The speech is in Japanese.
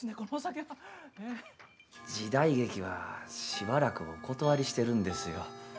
時代劇はしばらくお断りしているんですよ。